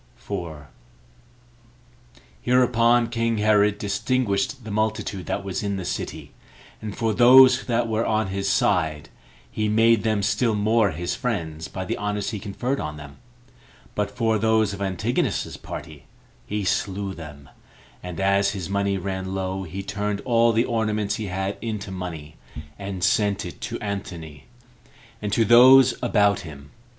4. Hereupon king Herod distinguished the multitude that was in the city; and for those that were of his side, he made them still more his friends by the honors he conferred on them; but for those of Antigonus's party, he slew them; and as his money ran low, he turned all the ornaments he had into money, and sent it to Antony, and to those about him.